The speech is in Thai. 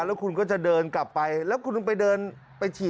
แล้วคุณก็จะเดินกลับไปแล้วคุณต้องไปเดินไปฉี่